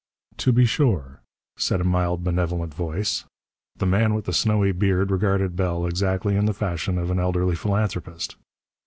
"To be sure," said a mild, benevolent voice. The man with the snowy beard regarded Bell exactly in the fashion of an elderly philanthropist.